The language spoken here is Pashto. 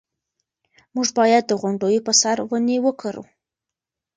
موږ باید د غونډیو په سر ونې وکرو.